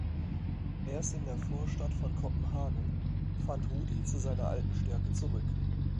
Erst in der Vorstadt von Kopenhagen fand Rudy zu seiner alten Stärke zurück.